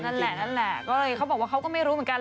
นั่นแหละนั่นแหละก็เลยเขาบอกว่าเขาก็ไม่รู้เหมือนกัน